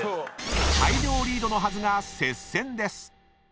［大量リードのはずが接戦です］